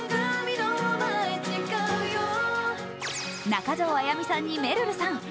中条あやみさんにめるるさん。